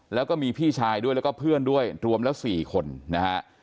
แล้วก็มีพี่ชายด้วยแล้วก็เพื่อนด้วยรวมแล้ว๔คนนะฮะ